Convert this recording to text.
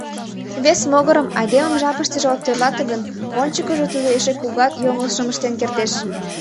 Вес могырым, айдемым жапыштыже от тӧрлате гын, ончыкыжо тудо эшеат кугу йоҥылышым ыштен кертеш.